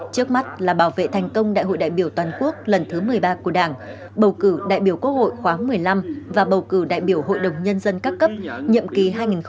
trước mắt là bảo vệ thành công đại hội đại biểu toàn quốc lần thứ một mươi ba của đảng bầu cử đại biểu quốc hội khoáng một mươi năm và bầu cử đại biểu hội đồng nhân dân các cấp nhiệm kỳ hai nghìn hai mươi một hai nghìn hai mươi sáu